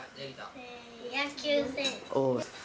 野球選手。